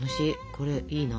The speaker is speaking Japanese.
これいいな。